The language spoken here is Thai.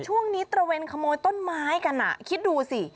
ตระเวนขโมยต้นไม้กันอ่ะคิดดูสิ